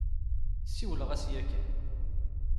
Siwleɣ-as yakan.